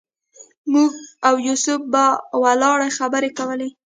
موږ او یوسف په ولاړه خبرې کولې.